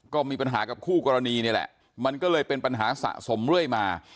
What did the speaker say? ก็มีปัญหากับคู่กรณีนี่แหละมันก็เลยเป็นปัญหาสะสมเรื่อยมา